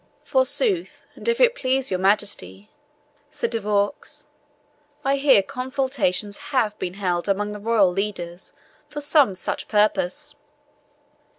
"Forsooth, and if it please your Majesty," said De Vaux, "I hear consultations have been held among the royal leaders for some such purpose."